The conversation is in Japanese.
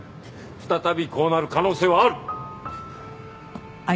再びこうなる可能性はある。